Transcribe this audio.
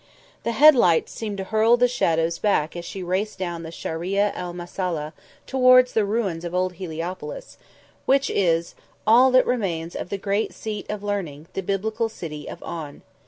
The head lights seemed to hurl the shadows back as she raced down the Sharia el Misalla towards the ruins of old Heliopolis, which is all that remains of the great seat of learning, the biblical City of On.